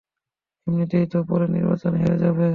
এমনিতেই তো পরের নির্বাচনে হেরে যাবে।